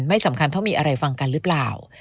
สำคัญเท่ามีอะไรฟังกันหรือเปล่า